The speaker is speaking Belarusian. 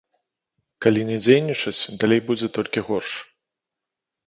Калі не дзейнічаць, далей будзе толькі горш.